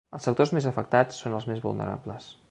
Els sectors més afectats són els més vulnerables.